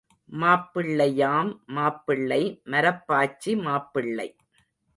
மாப்பிள்ளையாம் மாப்பிள்ளை மரப்பாச்சி மாப்பிள்ளை.